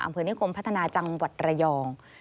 อำเภอนิคมพัฒนาจังหวัดระยอง